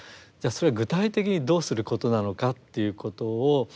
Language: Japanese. あそれは具体的にどうすることなのかっていうことを。